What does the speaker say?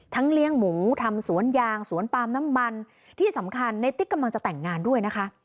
เลี้ยงหมูทำสวนยางสวนปาล์มน้ำมันที่สำคัญในติ๊กกำลังจะแต่งงานด้วยนะคะ